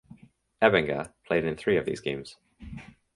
Ebinger played in three of these games.